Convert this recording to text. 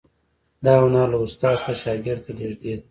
دا هنر له استاد څخه شاګرد ته لیږدید.